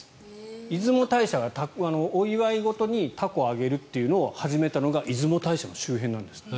出雲大社がお祝い事に凧を揚げるというのを始めたのが出雲大社の周辺なんですって。